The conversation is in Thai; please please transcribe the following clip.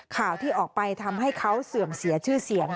ข่าวที่ออกไปทำให้เขาเสื่อมเสียชื่อเสียง